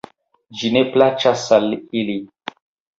Ĝi ne plaĉas al ili.